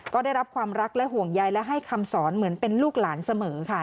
ก็ได้รับความรักและห่วงใยและให้คำสอนเหมือนเป็นลูกหลานเสมอค่ะ